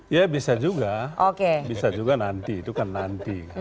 ya bisa juga bisa juga nanti itu kan nanti